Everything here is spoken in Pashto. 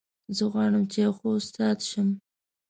زه غواړم چې یو ښه استاد شم